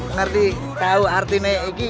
ngeri tau artinya ini